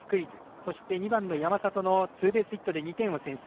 そして、２番の山里のツーベースヒットで２点を先制。